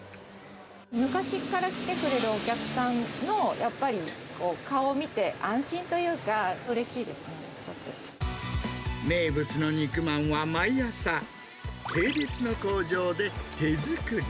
昔から来てくれるお客さんの、やっぱり顔見て、安心というか、名物の肉まんは、毎朝、系列の工場で手作り。